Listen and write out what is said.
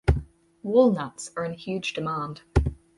Walnuts are in huge demand.